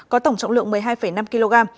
có tổng trọng lượng một mươi hai năm kg